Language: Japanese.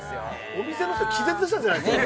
お店の人は気絶したんじゃないですか